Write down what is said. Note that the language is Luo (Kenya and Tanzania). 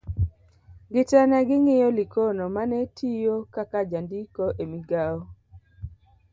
gite ne ging'iyo Likono mane tiyo ka ka jandiko e migawo